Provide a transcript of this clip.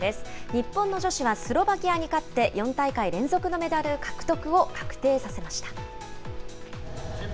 日本の女子はスロバキアに勝って、４大会連続のメダル獲得を確定させました。